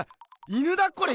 犬だこれ！